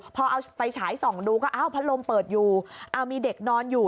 พอเอาไฟฉายส่องดูก็อ้าวพัดลมเปิดอยู่เอามีเด็กนอนอยู่